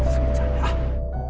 tadi menurut gue itu dia kayaknya